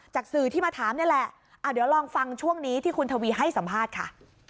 สื่อที่มาถามนี่แหละเดี๋ยวลองฟังช่วงนี้ที่คุณทวีให้สัมภาษณ์ค่ะ